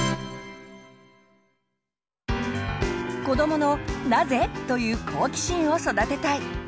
子どもの「なぜ？」という好奇心を育てたい！